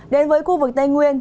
đến với khu vực tây nguyên